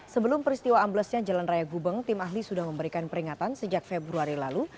sebelum peristiwa amblesnya jalan raya gubeng tim ahli sudah memberikan peringatan sejak februari lalu